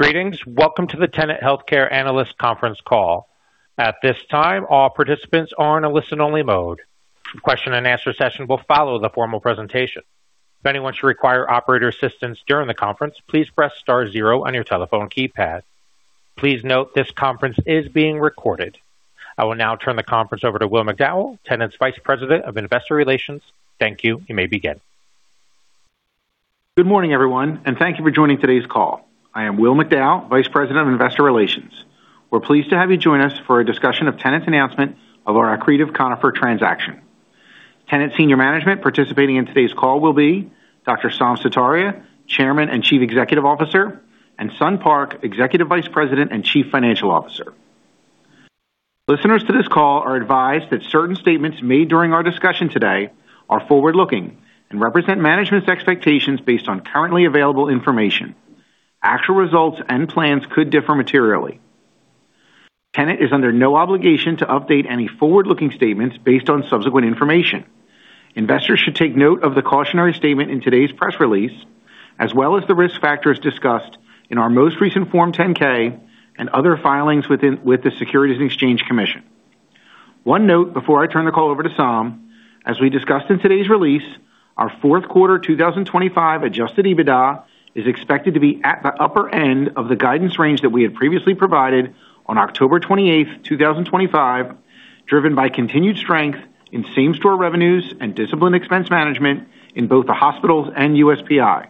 Greetings! Welcome to the Tenet Healthcare Analyst Conference Call. At this time, all participants are in a listen-only mode. Question and answer session will follow the formal presentation. If anyone should require operator assistance during the conference, please press * 0 on your telephone keypad. Please note, this conference is being recorded. I will now turn the conference over to Will McDowell, Tenet's Vice President of Investor Relations. Thank you. You may begin. Good morning, everyone, and thank you for joining today's call. I am Will McDowell, Vice President of Investor Relations. We're pleased to have you join us for a discussion of Tenet's announcement of our accretive Conifer transaction. Tenet senior management participating in today's call will be Saum Sutaria, Chairman and Chief Executive Officer, and Sun Park, Executive Vice President and Chief Financial Officer. Listeners to this call are advised that certain statements made during our discussion today are forward-looking and represent management's expectations based on currently available information. Actual results and plans could differ materially. Tenet is under no obligation to update any forward-looking statements based on subsequent information. Investors should take note of the cautionary statement in today's press release, as well as the risk factors discussed in our most recent Form 10-K and other filings with the Securities and Exchange Commission. One note before I turn the call over to Saum. As we discussed in today's release, our fourth quarter, 2025 Adjusted EBITDA is expected to be at the upper end of the guidance range that we had previously provided on October 28, 2025, driven by continued strength in same-store revenues and disciplined expense management in both the hospitals and USPI.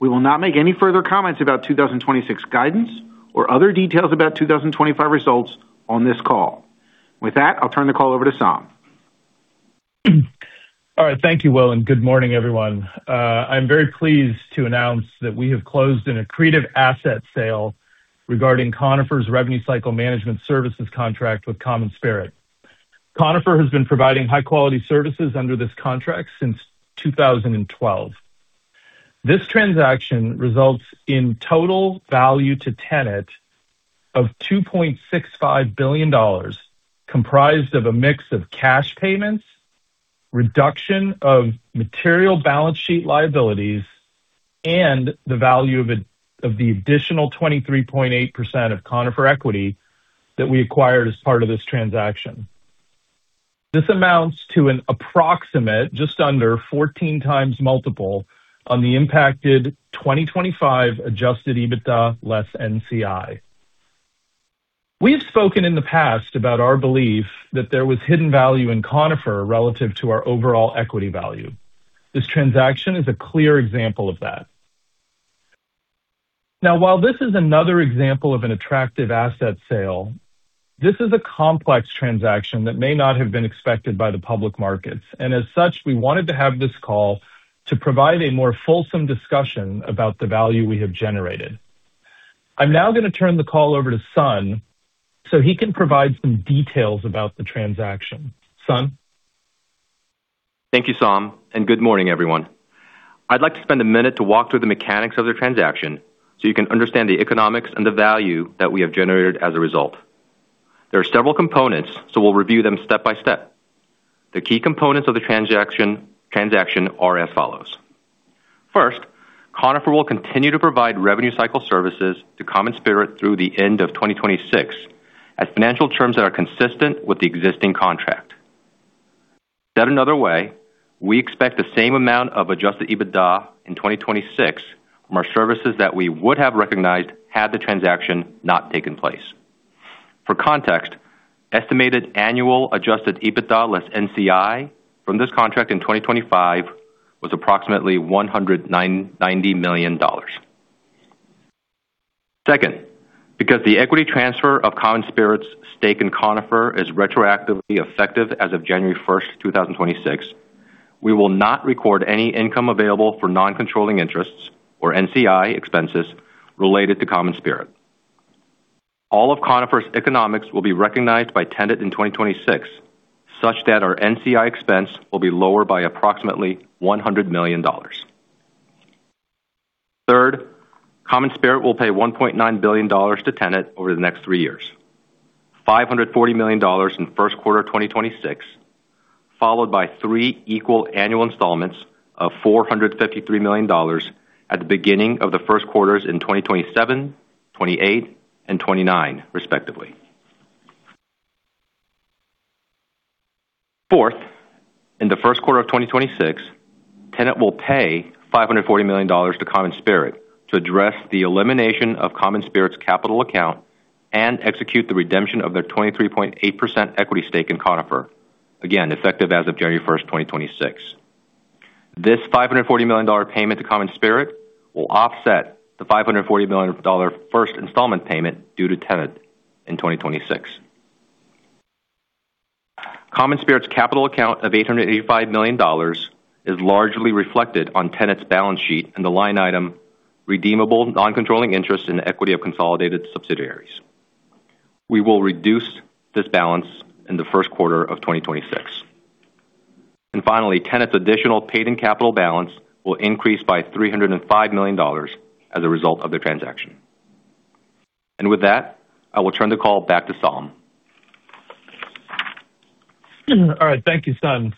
We will not make any further comments about 2026 guidance or other details about 2025 results on this call. With that, I'll turn the call over to Saum. All right, thank you, Will, and good morning, everyone. I'm very pleased to announce that we have closed an accretive asset sale regarding Conifer's revenue cycle management services contract with CommonSpirit. Conifer has been providing high-quality services under this contract since 2012. This transaction results in total value to Tenet of $2.65 billion, comprised of a mix of cash payments, reduction of material balance sheet liabilities, and the value of a, of the additional 23.8% of Conifer equity that we acquired as part of this transaction. This amounts to an approximate, just under 14x multiple on the impacted 2025 Adjusted EBITDA less NCI. We've spoken in the past about our belief that there was hidden value in Conifer relative to our overall equity value. This transaction is a clear example of that. Now, while this is another example of an attractive asset sale, this is a complex transaction that may not have been expected by the public markets, and as such, we wanted to have this call to provide a more fulsome discussion about the value we have generated. I'm now gonna turn the call over to Sun, so he can provide some details about the transaction. Sun? Thank you, Saum, and good morning, everyone. I'd like to spend a minute to walk through the mechanics of the transaction so you can understand the economics and the value that we have generated as a result. There are several components, so we'll review them step by step. The key components of the transaction are as follows: First, Conifer will continue to provide revenue cycle services to CommonSpirit through the end of 2026, at financial terms that are consistent with the existing contract. Said another way, we expect the same amount of adjusted EBITDA in 2026 from our services that we would have recognized had the transaction not taken place. For context, estimated annual adjusted EBITDA less NCI from this contract in 2025 was approximately $190 million. Second, because the equity transfer of CommonSpirit's stake in Conifer is retroactively effective as of January 1, 2026, we will not record any income available for non-controlling interests or NCI expenses related to CommonSpirit. All of Conifer's economics will be recognized by Tenet in 2026, such that our NCI expense will be lower by approximately $100 million. Third, CommonSpirit will pay $1.9 billion to Tenet over the next three years. $540 million in first quarter of 2026, followed by three equal annual installments of $453 million at the beginning of the first quarters in 2027, 2028, and 2029, respectively. Fourth, in the first quarter of 2026, Tenet will pay $540 million to CommonSpirit to address the elimination of CommonSpirit's capital account and execute the redemption of their 23.8% equity stake in Conifer. Again, effective as of January 1, 2026. This $540 million payment to CommonSpirit will offset the $540 million first installment payment due to Tenet in 2026. CommonSpirit's capital account of $885 million is largely reflected on Tenet's balance sheet in the line item, Redeemable Non-Controlling Interest in the Equity of Consolidated Subsidiaries. We will reduce this balance in the first quarter of 2026. And finally, Tenet's additional paid-in capital balance will increase by $305 million as a result of the transaction. With that, I will turn the call back to Saum. All right, thank you, Sun.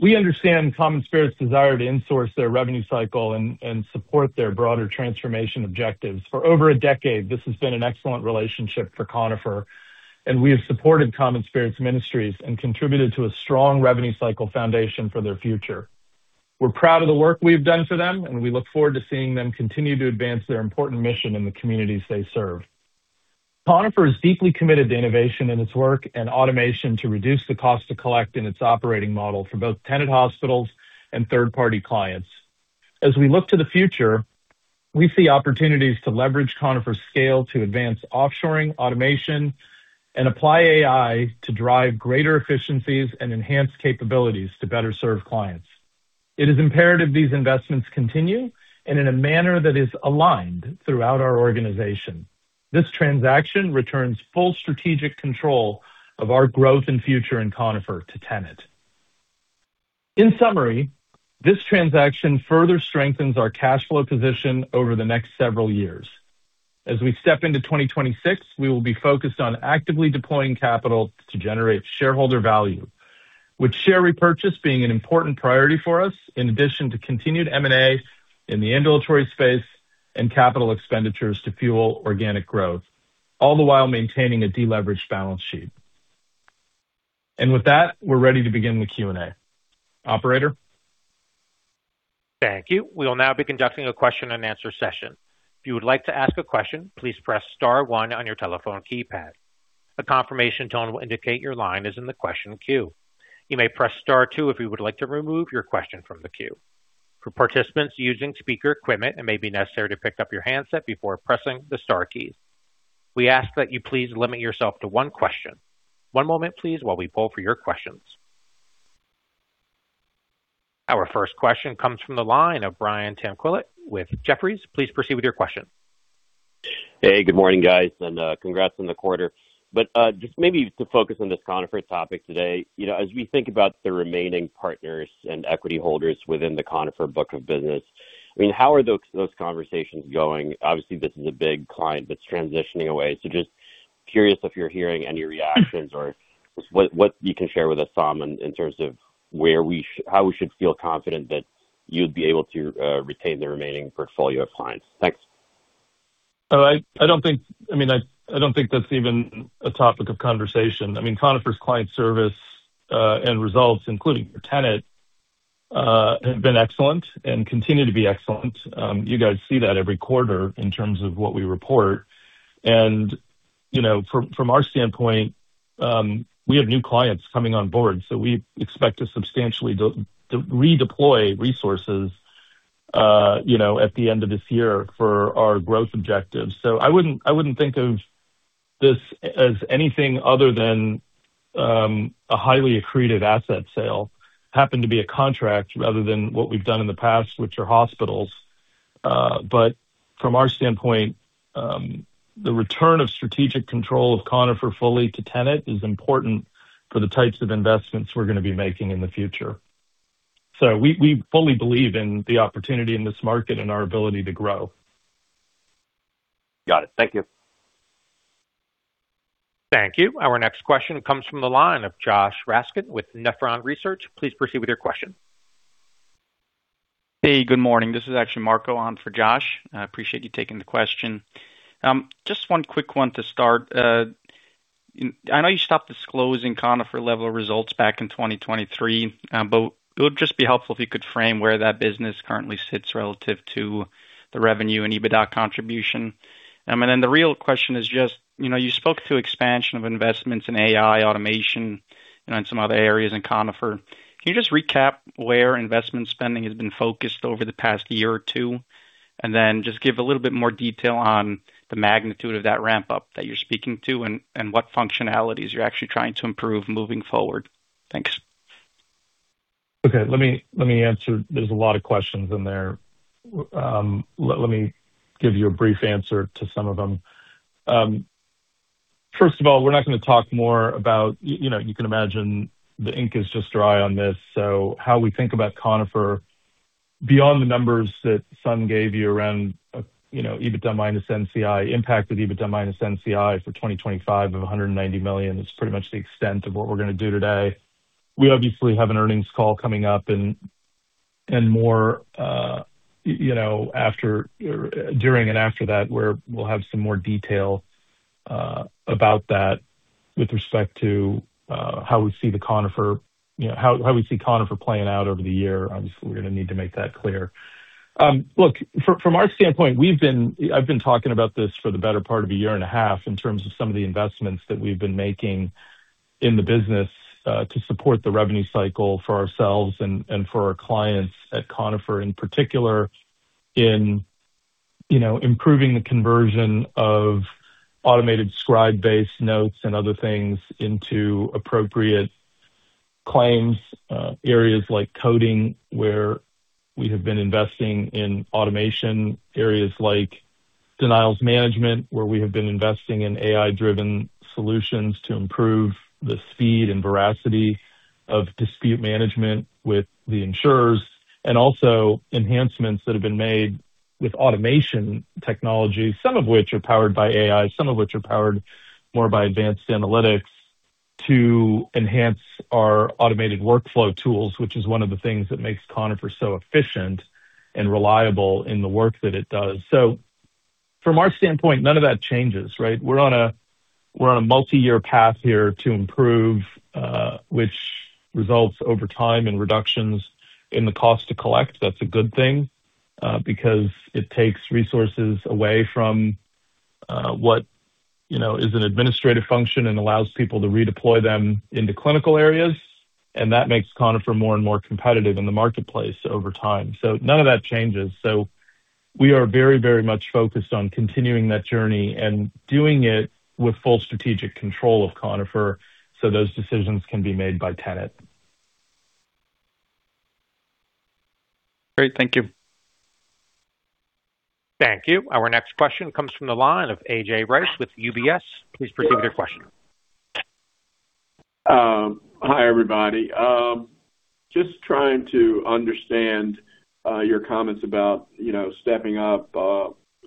We understand CommonSpirit's desire to insource their revenue cycle and support their broader transformation objectives. For over a decade, this has been an excellent relationship for Conifer, and we have supported CommonSpirit's ministries and contributed to a strong revenue cycle foundation for their future. We're proud of the work we've done for them, and we look forward to seeing them continue to advance their important mission in the communities they serve. Conifer is deeply committed to innovation in its work and automation to reduce the cost to collect in its operating model for both Tenet hospitals and third-party clients. As we look to the future, we see opportunities to leverage Conifer's scale to advance offshoring, automation, and apply AI to drive greater efficiencies and enhance capabilities to better serve clients. It is imperative these investments continue and in a manner that is aligned throughout our organization. This transaction returns full strategic control of our growth and future in Conifer to Tenet. In summary, this transaction further strengthens our cash flow position over the next several years. As we step into 2026, we will be focused on actively deploying capital to generate shareholder value, with share repurchase being an important priority for us, in addition to continued M&A in the ambulatory space and capital expenditures to fuel organic growth, all the while maintaining a deleveraged balance sheet. With that, we're ready to begin the Q&A. Operator? Thank you. We will now be conducting a question-and-answer session. If you would like to ask a question, please press star one on your telephone keypad. A confirmation tone will indicate your line is in the question queue. You may press * 2 if you would like to remove your question from the queue. For participants using speaker equipment, it may be necessary to pick up your handset before pressing the * key. We ask that you please limit yourself to one question. One moment, please, while we poll for your questions. Our first question comes from the line of Brian Tanquilut with Jefferies. Please proceed with your question. Hey, good morning, guys, and congrats on the quarter. But just maybe to focus on this Conifer topic today. You know, as we think about the remaining partners and equity holders within the Conifer book of business, I mean, how are those conversations going? Obviously, this is a big client that's transitioning away, so just curious if you're hearing any reactions or what you can share with us, Saum, in terms of how we should feel confident that you'd be able to retain the remaining portfolio of clients? Thanks. I don't think that's even a topic of conversation. I mean, Conifer's client service and results, including Tenet, have been excellent and continue to be excellent. You guys see that every quarter in terms of what we report. You know, from our standpoint, we have new clients coming on board, so, we expect to substantially to redeploy resources, you know, at the end of this year for our growth objectives. So, I wouldn't think of this as anything other than a highly accretive asset sale, happened to be a contract rather than what we've done in the past, which are hospitals. but from our standpoint, the return of strategic control of Conifer fully to Tenet is important for the types of investments we're going to be making in the future. So, we fully believe in the opportunity in this market and our ability to grow. Got it. Thank you. Thank you. Our next question comes from the line of Josh Raskin with Nephron Research. Please proceed with your question. Hey, good morning. This is actually Marco on for Josh. I appreciate you taking the question. Just one quick one to start. I know you stopped disclosing Conifer-level results back in 2023, but it would just be helpful if you could frame where that business currently sits relative to the revenue and EBITDA contribution. Then the real question is just, you know, you spoke to expansion of investments in AI, automation, and on some other areas in Conifer. Can you just recap where investment spending has been focused over the past year or two, and then just give a little bit more detail on the magnitude of that ramp-up that you're speaking to and, and what functionalities you're actually trying to improve moving forward? Thanks. Okay, let me, let me answer. There's a lot of questions in there. Let me give you a brief answer to some of them. First of all, we're not going to talk more about... You know, you can imagine the ink is just dry on this, so, how we think about Conifer beyond the numbers that Sun gave you around, you know, EBITDA minus NCI, impacted EBITDA minus NCI for 2025 of $190 million, is pretty much the extent of what we're going to do today. We obviously have an earnings call coming up and more, you know, after, during and after that, where we'll have some more detail, about that with respect to, how we see the Conifer, you know, how we see Conifer playing out over the year. Obviously, we're going to need to make that clear. Look, from our standpoint, I've been talking about this for the better part of a year and a half in terms of some of the investments that we've been making in the business to support the revenue cycle for ourselves and for our clients at Conifer, in particular, you know, improving the conversion of automated scribe-based notes and other things into appropriate claims, areas like coding, where we have been investing in automation, areas like denials management, where we have been investing in AI-driven solutions to improve the speed and veracity.... of dispute management with the insurers, and also enhancements that have been made with automation technology, some of which are powered by AI, some of which are powered more by advanced analytics, to enhance our automated workflow tools, which is one of the things that makes Conifer so, efficient and reliable in the work that it does. So, from our standpoint, none of those changes, right? We're on a multi-year path here to improve, which results over time in reductions in the cost to collect. That's a good thing, because it takes resources away from what you know is an administrative function and allows people to redeploy them into clinical areas, and that makes Conifer more and more competitive in the marketplace over time. So, none of that changes. We are very, very much focused on continuing that journey and doing it with full strategic control of Conifer, so, those decisions can be made by Tenet. Great. Thank you. Thank you. Our next question comes from the line of A.J. Rice with UBS. Please proceed with your question. Hi, everybody. Just trying to understand your comments about, you know, stepping up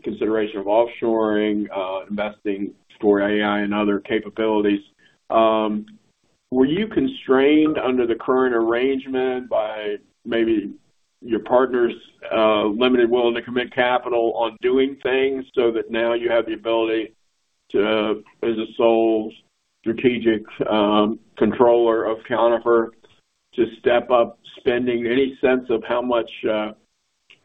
consideration of offshoring, investing for AI and other capabilities. Were you constrained under the current arrangement by maybe your partners limited will to commit capital on doing things so, that now you have the ability to, as a sole strategic controller of Conifer, to step up spending? Any sense of how much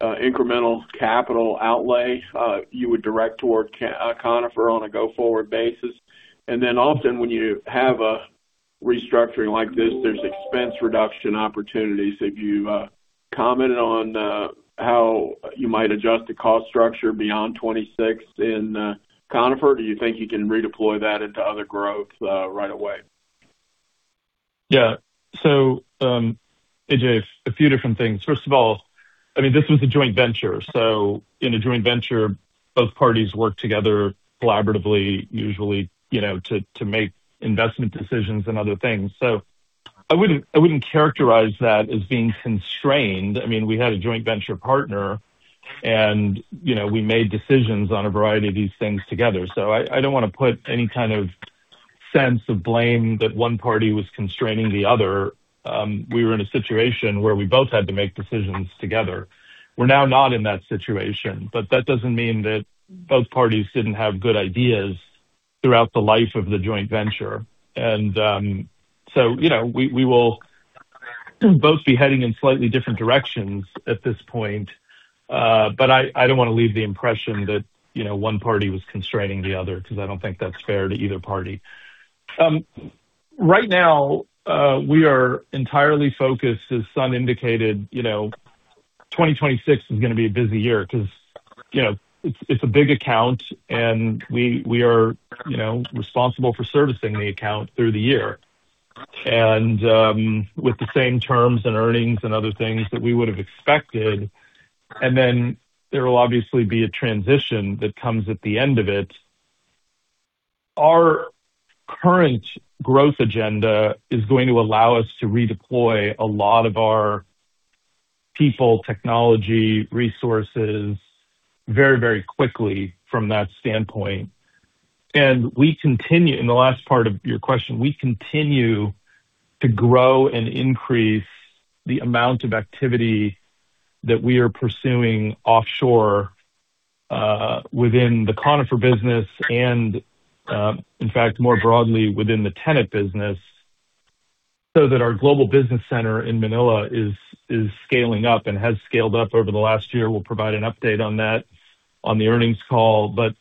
incremental capital outlay you would direct toward Conifer on a go-forward basis? And then often, when you have a restructuring like this, there's expense reduction opportunities. Have you commented on how you might adjust the cost structure beyond 2026 in Conifer? Do you think you can redeploy that into other growth right away? Yeah. So, A.J., a few different things. First of all, I mean, this was a joint venture, so, in a joint venture, both parties work together collaboratively, usually, you know, to make investment decisions and other things. So, I wouldn't characterize that as being constrained. I mean, we had a joint venture partner, and, you know, we made decisions on a variety of these things together. So, I don't want to put any kind of sense of blame that one party was constraining the other. We were in a situation where we both had to make decisions together. We're now not in that situation, but that doesn't mean that both parties didn't have good ideas throughout the life of the joint venture. And, so, you know, we will both be heading in slightly different directions at this point, but I don't want to leave the impression that, you know, one party was constraining the other, because I don't think that's fair to either party. Right now, we are entirely focused, as Sun indicated, you know, 2026 is going to be a busy year because, you know, it's a big account, and we are, you know, responsible for servicing the account through the year. With the same terms and earnings and other things that we would have expected, and then there will obviously be a transition that comes at the end of it. Our current growth agenda is going to allow us to redeploy a lot of our people, technology, resources, very, very quickly from that standpoint. And we continue... In the last part of your question, we continue to grow and increase the amount of activity that we are pursuing offshore, within the Conifer business and, in fact, more broadly within the Tenet business, so that our Global Business Center in Manila is scaling up and has scaled up over the last year. We'll provide an update on that on the earnings call, but,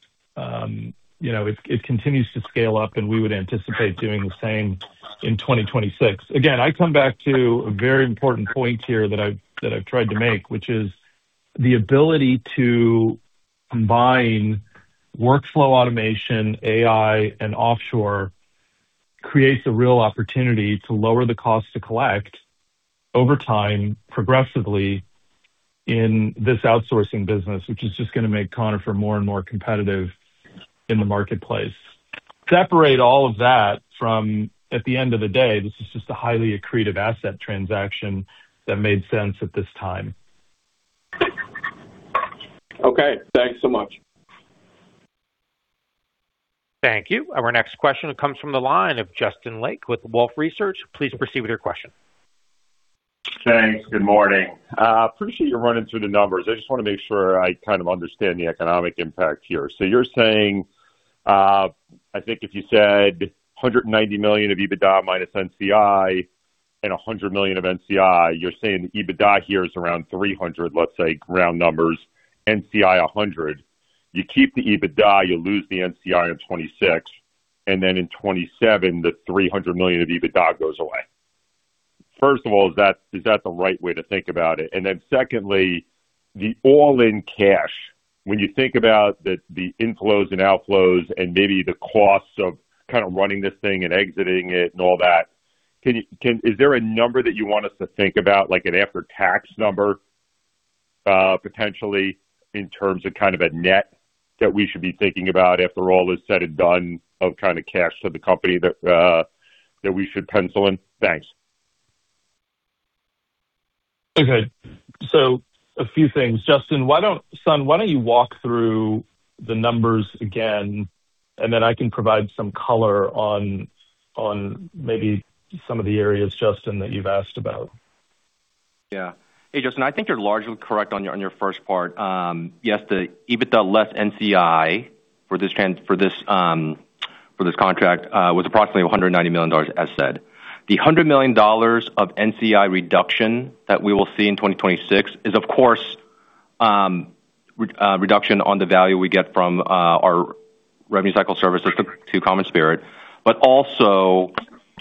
you know, it continues to scale up, and we would anticipate doing the same in 2026. Again, I come back to a very important point here that I've tried to make, which is the ability to combine workflow automation, AI, and offshore, creates a real opportunity to lower the cost to collect over time, progressively in this outsourcing business, which is just going to make Conifer more and more competitive in the marketplace. Separate all of that from, at the end of the day, this is just a highly accretive asset transaction that made sense at this time. Okay, thanks so much. Thank you. Our next question comes from the line of Justin Lake with Wolfe Research. Please proceed with your question. Thanks. Good morning. Appreciate you running through the numbers. I just want to make sure I kind of understand the economic impact here. So, you're saying, I think if you said $190 million of EBITDA minus NCI and $100 million of NCI, you're saying the EBITDA here is around $300, let's say, round numbers, NCI $100. You keep the EBITDA, you lose the NCI in 2026, and then in 2027, the $300 million of EBITDA goes away. First of all, is that, is that the right way to think about it? And then secondly, the all-in cash, when you think about the, the inflows and outflows and maybe the costs of kind of running this thing and exiting it and all that, can you- can, is there a number that you want us to think about, like an after-tax number?... Potentially in terms of kind of a net that we should be thinking about after all is said and done of kind of cash to the company that we should pencil in? Thanks. Okay. So, a few things. Justin, why don't Saum, why don't you walk through the numbers again, and then I can provide some color on, on maybe some of the areas, Justin, that you've asked about? Yeah. Hey, Justin, I think you're largely correct on your first part. Yes, the EBITDA less NCI for this contract was approximately $190 million, as said. The $100 million of NCI reduction that we will see in 2026 is, of course, reduction on the value we get from our revenue cycle services to CommonSpirit, but also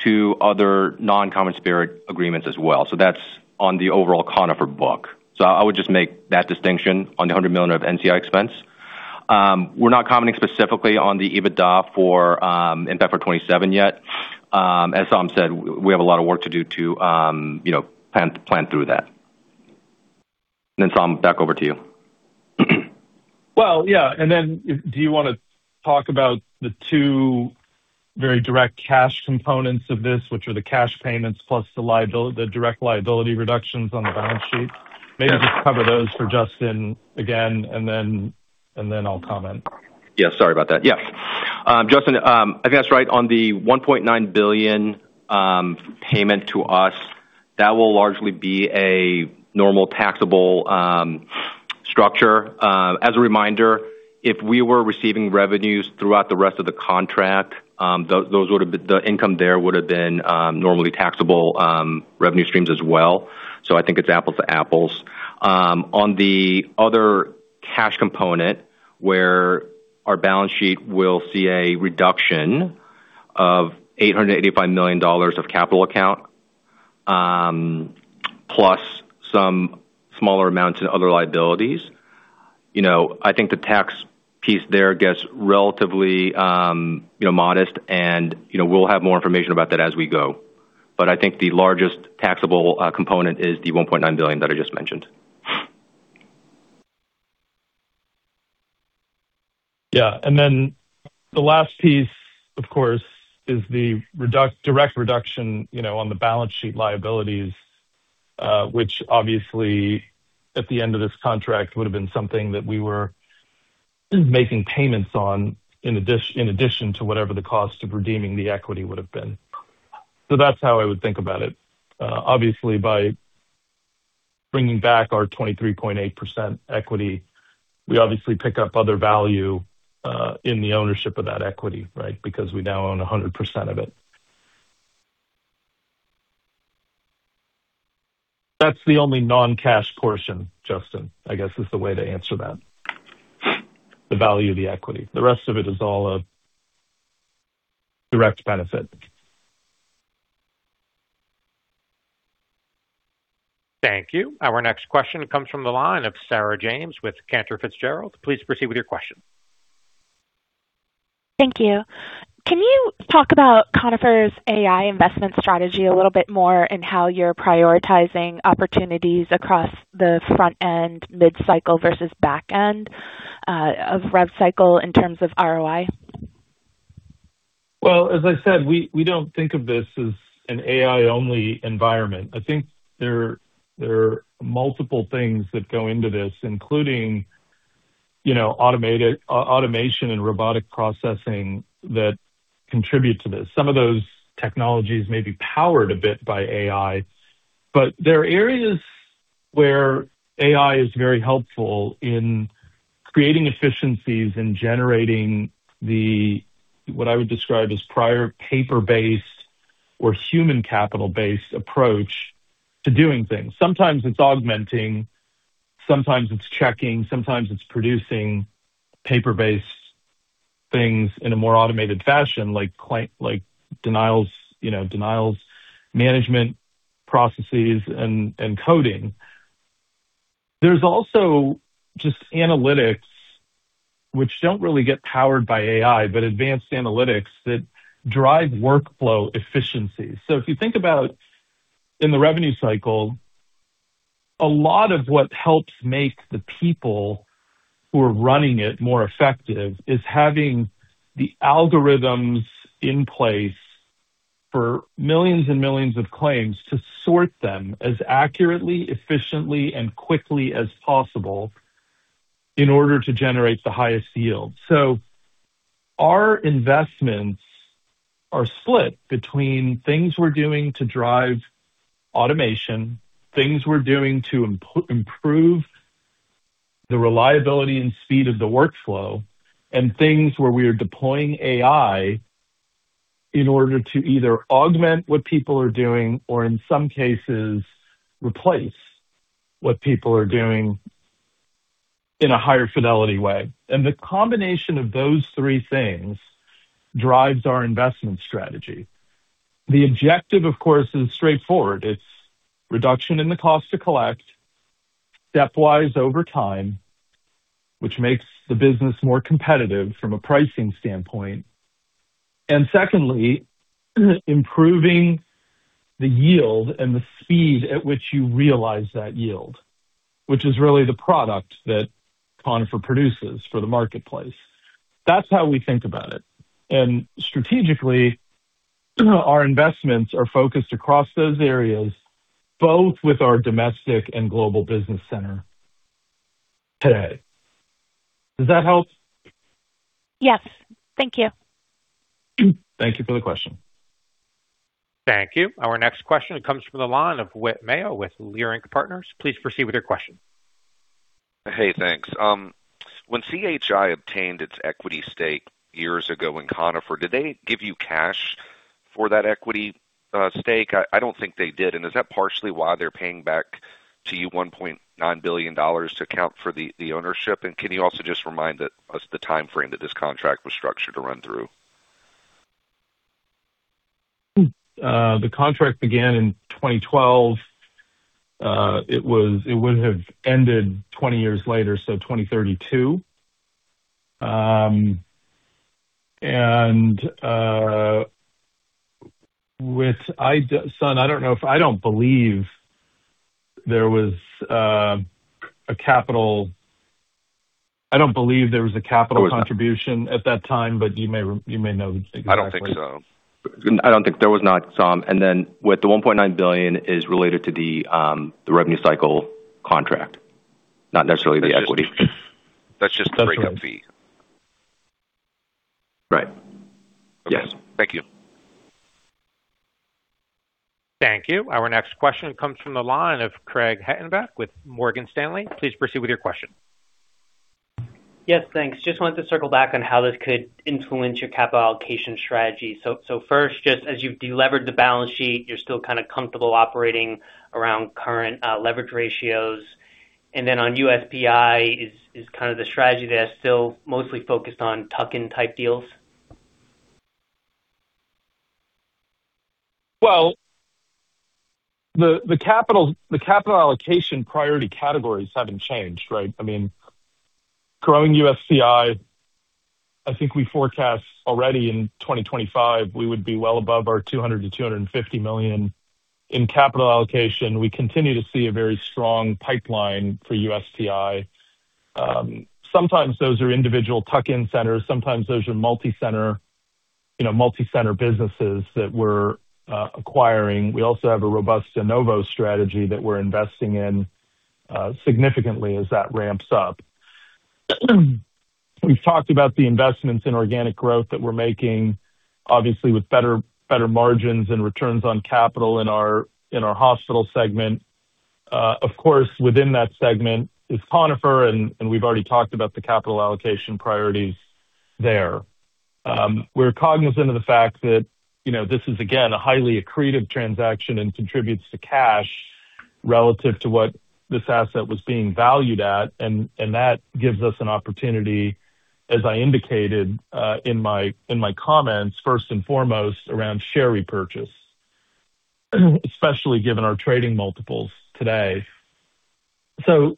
to other non-CommonSpirit agreements as well. So, that's on the overall Conifer book. So, I would just make that distinction on the $100 million of NCI expense. We're not commenting specifically on the EBITDA for 2027 yet. As Saum said, we have a lot of work to do to, you know, plan through that. And then, Saum, back over to you. Well, yeah, and then if you want to talk about the two very direct cash components of this, which are the cash payments plus the direct liability reductions on the balance sheet? Maybe just cover those for Justin again, and then, and then I'll comment. Yeah, sorry about that. Yes. Justin, I think that's right. On the $1.9 billion payment to us, that will largely be a normal taxable structure. As a reminder, if we were receiving revenues throughout the rest of the contract, those would have been... The income there would have been, normally taxable revenue streams as well. So, I think it's apples to apples. On the other cash component, where our balance sheet will see a reduction of $885 million of capital account, plus some smaller amounts in other liabilities, you know, I think the tax piece there gets relatively, you know, modest, and, you know, we'll have more information about that as we go. But I think the largest taxable component is the $1.9 billion that I just mentioned. Yeah. And then the last piece, of course, is the direct reduction, you know, on the balance sheet liabilities, which obviously, at the end of this contract, would have been something that we were making payments on, in addition to whatever the cost of redeeming the equity would have been. So, that's how I would think about it. Obviously, by bringing back our 23.8% equity, we obviously pick up other value in the ownership of that equity, right? Because we now own 100% of it. That's the only non-cash portion, Justin, I guess, is the way to answer that. The value of the equity. The rest of it is all a direct benefit. Thank you. Our next question comes from the line of Sarah James with Cantor Fitzgerald. Please proceed with your question. Thank you. Can you talk about Conifer's AI investment strategy a little bit more, and how you're prioritizing opportunities across the front end, mid-cycle, versus back end, of rev cycle in terms of ROI? Well, as I said, we don't think of this as an AI-only environment. I think there are multiple things that go into this, including, you know, automated automation and robotic processing that contribute to this. Some of those technologies may be powered a bit by AI, but there are areas where AI is very helpful in creating efficiencies and generating the, what I would describe as prior paper-based or human capital-based approach to doing things. Sometimes it's augmenting, sometimes it's checking, sometimes it's producing paper-based things in a more automated fashion, like like denials, you know, denials management processes, and coding. There's also just analytics, which don't really get powered by AI, but advanced analytics that drive workflow efficiency. So, if you think about in the revenue cycle, a lot of what helps make the people who are running it more effective is having the algorithms in place for millions and millions of claims to sort them as accurately, efficiently, and quickly as possible in order to generate the highest yield. So, our investments are split between things we're doing to drive automation, things we're doing to improve the reliability and speed of the workflow, and things where we are deploying AI in order to either augment what people are doing or, in some cases, replace what people are doing in a higher fidelity way. And the combination of those three things drives our investment strategy. The objective, of course, is straightforward. It's reduction in the cost to collect, stepwise over time, which makes the business more competitive from a pricing standpoint.... Secondly, improving the yield and the speed at which you realize that yield, which is really the product that Conifer produces for the marketplace. That's how we think about it. Strategically, our investments are focused across those areas, both with our domestic and Global Business Center today. Does that help? Yes. Thank you. Thank you for the question. Thank you. Our next question comes from the line of Whit Mayo with Leerink Partners. Please proceed with your question. Hey, thanks. When CHI obtained its equity stake years ago in Conifer, did they give you cash for that equity stake? I don't think they did. And is that partially why they're paying back to you $1.9 billion to account for the ownership? And can you also just remind us the timeframe that this contract was structured to run through? The contract began in 2012. It would have ended 20 years later, so 2032. With Jason, I don't know if—I don't believe there was a capital contribution at that time, but you may, you may know exactly. I don't think so. I don't think there was not some. And then with the $1.9 billion is related to the revenue cycle contract, not necessarily the equity. That's just the breakup fee. Right. Yes. Thank you. Thank you. Our next question comes from the line of Craig Hettenbach with Morgan Stanley. Please proceed with your question. Yes, thanks. Just wanted to circle back on how this could influence your capital allocation strategy. So, first, just as you've delevered the balance sheet, you're still kind of comfortable operating around current leverage ratios. And then on USPI, is kind of the strategy there still mostly focused on tuck-in type deals? Well, the capital allocation priority categories haven't changed, right? I mean, growing USPI, I think we forecast already in 2025, we would be well above our $200 million-$250 million. In capital allocation, we continue to see a very strong pipeline for USPI. Sometimes those are individual tuck-in centers, sometimes those are multi-center, you know, multi-center businesses that we're acquiring. We also have a robust de novo strategy that we're investing in significantly as that ramps up. We've talked about the investments in organic growth that we're making, obviously with better margins and returns on capital in our hospital segment. Of course, within that segment is Conifer, and we've already talked about the capital allocation priorities there. We're cognizant of the fact that, you know, this is, again, a highly accretive transaction and contributes to cash relative to what this asset was being valued at, and that gives us an opportunity, as I indicated, in my comments, first and foremost, around share repurchase, especially given our trading multiples today. So,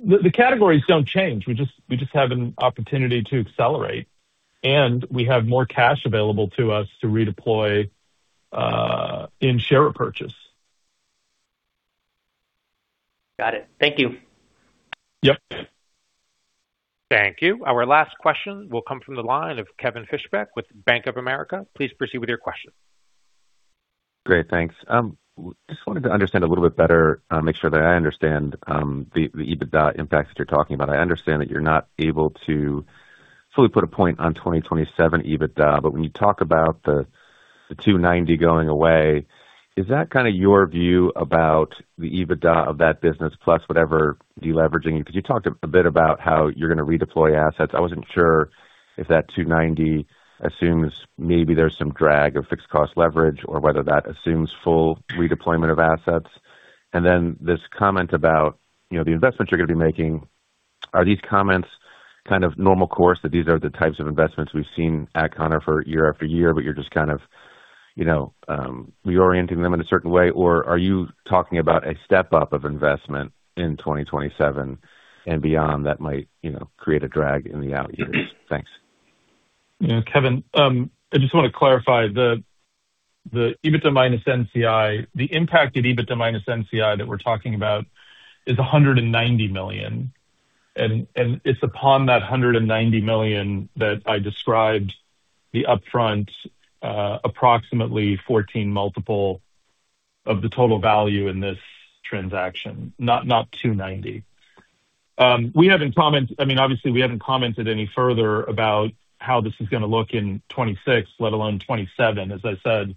the categories don't change. We just have an opportunity to accelerate, and we have more cash available to us to redeploy in share purchase. Got it. Thank you. Yep. Thank you. Our last question will come from the line of Kevin Fischbeck with Bank of America. Please proceed with your question. Great, thanks. Just wanted to understand a little bit better, make sure that I understand the EBITDA impacts that you're talking about. I understand that you're not able to fully put a point on 2027 EBITDA, but when you talk about the $290 going away, is that kind of your view about the EBITDA of that business, plus whatever deleveraging? Because you talked a bit about how you're going to redeploy assets. I wasn't sure if that $290 assumes maybe there's some drag of fixed cost leverage or whether that assumes full redeployment of assets. And then this comment about, you know, the investments you're going to be making, are these comments kind of normal course, that these are the types of investments we've seen at Conifer year after year, but you're just kind of, you know, reorienting them in a certain way? Or are you talking about a step-up of investment in 2027 and beyond that might, you know, create a drag in the out years? Thanks. Yeah, Kevin, I just want to clarify, the EBITDA minus NCI, the impact of EBITDA minus NCI that we're talking about is $190 million, and it's upon that $190 million that I described the upfront, approximately 14x multiple of the total value in this transaction, not 290. We haven't commented. I mean, obviously, we haven't commented any further about how this is going to look in 2026, let alone 2027. As I said,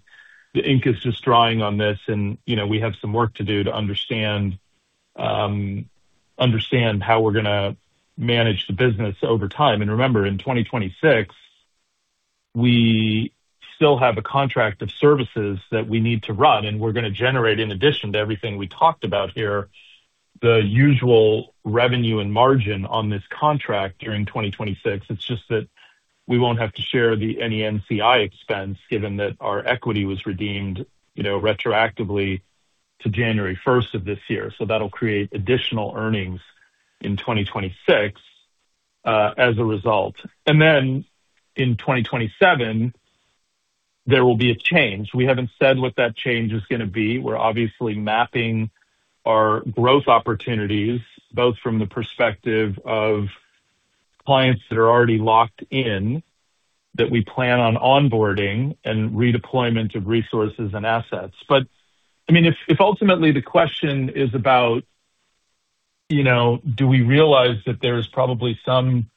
the ink is just drying on this, and, you know, we have some work to do to understand how we're gonna manage the business over time. And remember, in 2026, we still have a contract of services that we need to run, and we're gonna generate, in addition to everything we talked about here, the usual revenue and margin on this contract during 2026. It's just that we won't have to share the, any NCI expense given that our equity was redeemed, you know, retroactively... to January first of this year, so, that'll create additional earnings in 2026, as a result. And then in 2027, there will be a change. We haven't said what that change is gonna be. We're obviously mapping our growth opportunities, both from the perspective of clients that are already locked in, that we plan on onboarding and redeployment of resources and assets. But, I mean, if ultimately the question is about, you know, do we realize that there's probably some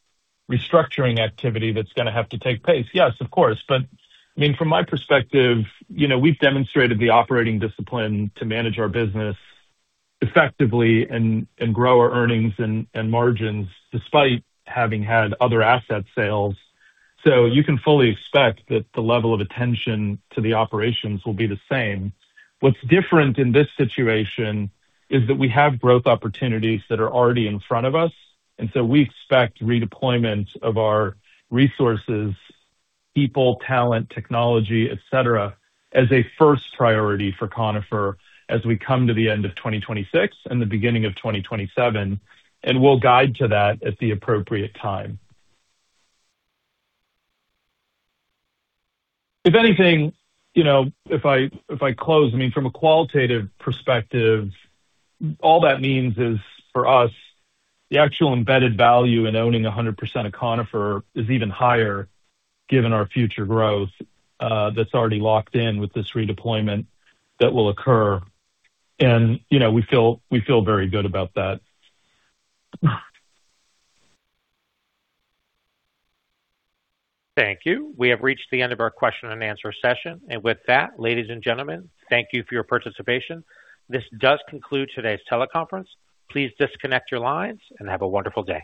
restructuring activity that's gonna have to take place? Yes, of course. But I mean, from my perspective, you know, we've demonstrated the operating discipline to manage our business effectively and grow our earnings and margins despite having had other asset sales. So, you can fully expect that the level of attention to the operations will be the same. What's different in this situation is that we have growth opportunities that are already in front of us, and so, we expect redeployment of our resources, people, talent, technology, et cetera, as a first priority for Conifer as we come to the end of 2026 and the beginning of 2027, and we'll guide to that at the appropriate time. If anything, you know, if I close, I mean, from a qualitative perspective, all that means is, for us, the actual embedded value in owning 100% of Conifer is even higher given our future growth, that's already locked in with this redeployment that will occur. And, you know, we feel very good about that. Thank you. We have reached the end of our question-and-answer session. With that, ladies and gentlemen, thank you for your participation. This does conclude today's teleconference. Please disconnect your lines and have a wonderful day.